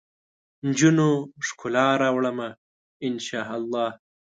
نجونو ؛ ښکلا راوړمه ، ان شا اللهدا